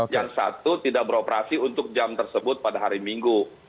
yang satu tidak beroperasi untuk jam tersebut pada hari minggu